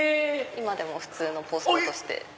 今でも普通のポストとして。